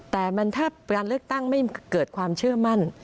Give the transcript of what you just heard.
แต่ถ้าการเลือกตั้งไม่เกิดความเชื่อมั่น